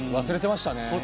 忘れてましたね。